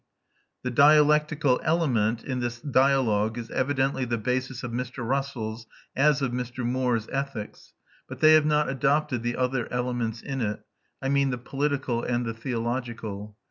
The dialectical element in this dialogue is evidently the basis of Mr. Russell's, as of Mr. Moore's, ethics; but they have not adopted the other elements in it, I mean the political and the theological.